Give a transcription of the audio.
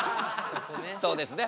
そうですね。